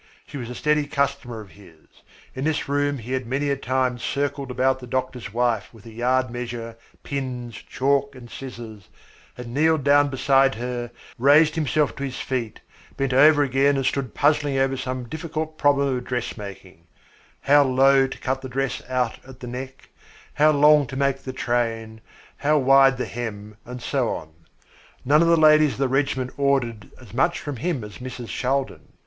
She was a steady customer of his. In this room he had many a time circled about the doctor's wife with a yard measure, pins, chalk and scissors, had kneeled down beside her, raised himself to his feet, bent over again and stood puzzling over some difficult problem of dressmaking how low to cut the dress out at the neck, how long to make the train, how wide the hem, and so on. None of the ladies of the regiment ordered as much from him as Mrs. Shaldin.